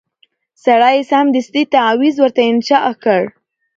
سړي سمدستي تعویذ ورته انشاء کړ